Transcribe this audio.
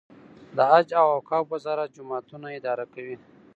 د حج او اوقافو وزارت جوماتونه اداره کوي